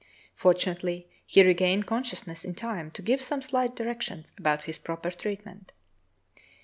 Fortunately he regained consciousness in time to give some slight directions about his proper treatment.